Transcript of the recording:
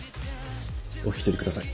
お引き取りください。